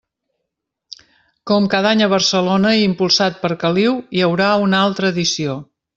Com cada any a Barcelona i impulsat per Caliu, hi haurà una altra edició.